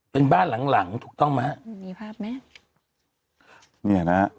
เป็นบ้านหลังถูกต้องแม่